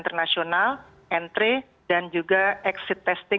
pemerintah juga mencari varian baru dari luar indonesia